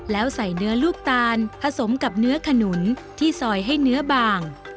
แล้วใส่เนื้อลูกตาลผสมกับเนื้อขนุนที่ซอยให้เนื้อบาง